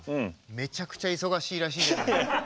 めちゃくちゃ忙しいらしいじゃない。